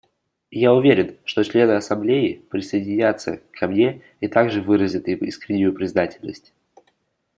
Я уверен, что члены Ассамблеи присоединятся ко мне и также выразят им искреннюю признательность.